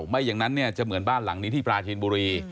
ไม่อย่างนั้นเนี่ยจะเหมือนบ้านหลังนี้ที่ปราจีนบุรี